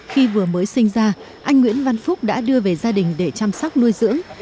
khi vừa mới sinh ra anh nguyễn văn phúc đã đưa về gia đình để chăm sóc nuôi dưỡng